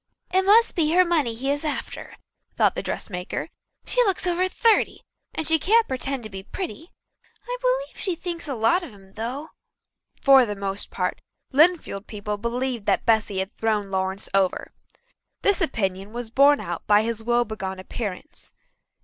"It must be her money he is after," thought the dressmaker. "She looks over thirty, and she can't pretend to be pretty. I believe she thinks a lot of him, though." For the most part, Lynnfield people believed that Bessy had thrown Lawrence over. This opinion was borne out by his woebegone appearance.